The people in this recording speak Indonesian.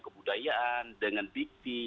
kebudayaan dengan bikti